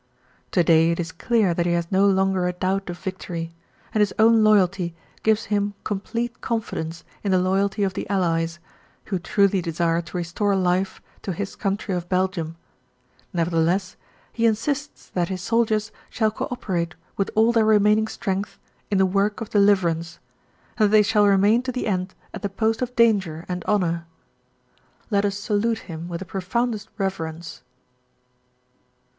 To day it is clear that he has no longer a doubt of victory, and his own loyalty gives him complete confidence in the loyalty of the Allies, who truly desire to restore life to his country of Belgium; nevertheless, he insists that his soldiers shall co operate with all their remaining strength in the work of deliverance, and that they shall remain to the end at the post of danger and honour. Let us salute him with the profoundest reverence.